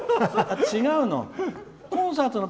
違うの？